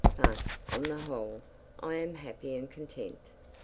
But, on the whole, I am happy and content.